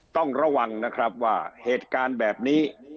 ต้องระวังนะครับว่าเหตุการณ์แบบนี้